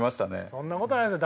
そんな事はないですよ。